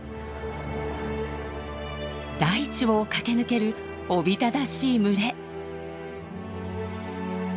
大地を駆け抜けるおびただしい群れ。